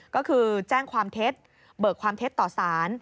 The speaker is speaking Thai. ก็คือแจ้งความเท็จเบิกความเท็จต่อสาร